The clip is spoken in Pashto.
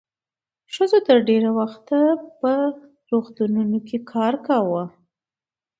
ښځو تر ډېره وخته په روغتونونو کې کار کاوه.